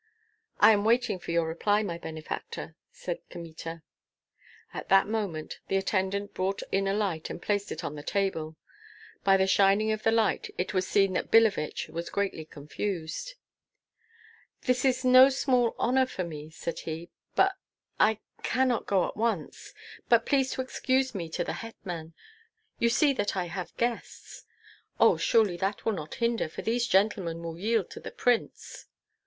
"I am waiting for your reply, my benefactor," said Kmita. At that moment the attendant brought in a light and placed it on the table; by the shining of the light it was seen that Billevich was greatly confused. "This is no small honor for me," said he, "but I cannot go at once. Be pleased to excuse me to the hetman you see that I have guests." "Oh, surely that will not hinder, for these gentlemen will yield to the prince."